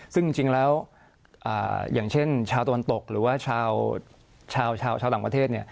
ซึ่งจริงแล้วอย่างเช่นชาวตะวันตกหรือว่าชาวต่างประเทศ